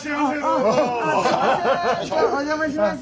お邪魔します。